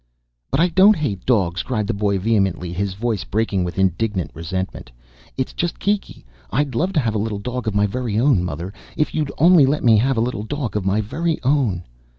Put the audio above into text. "But I don't hate dogs!" cried the boy vehemently, his voice breaking with indignant resentment. "It's just Kiki. I'd love to have a little dog of my very own, Mother. If you'd only let me have a little dog of my very own!"